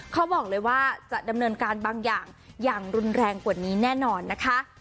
เขาบอกเลยว่าจะดำเนินการบางอย่างอย่างรุนแรงกว่านี้แน่นอนนะคะ